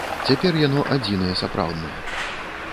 Цяпер яно адзінае сапраўднае.